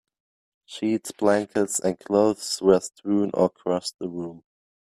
Sheets, blankets, and clothes were strewn across the room.